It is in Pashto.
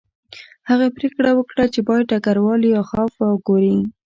هغه پریکړه وکړه چې باید ډګروال لیاخوف وګوري